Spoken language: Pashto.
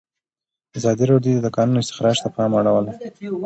ازادي راډیو د د کانونو استخراج ته پام اړولی.